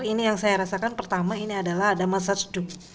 ini yang saya rasakan pertama ini adalah ada massage doo